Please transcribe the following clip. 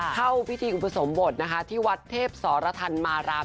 เข้าพิธีอุปสมบทนะคะที่วัดเทพสรทันมาราม